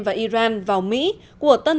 và iran vào mỹ của tân